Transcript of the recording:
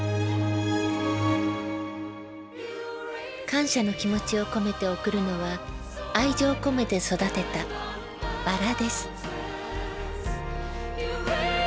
感謝の気持ちを込めて贈るのは愛情込めて育てたバラです。